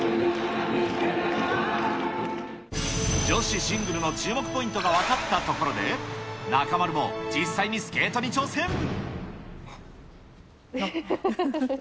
女子シングルの注目ポイントが分かったところで、中丸も実際にスケートに挑戦。